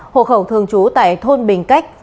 hộ khẩu thường trú tại thôn bình cách